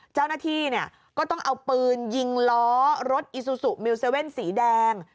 เจ้าหน้าที่ก็ต้องเอาปืนยิงล้อรถอีซูซูมิวเซเว่นสีแดง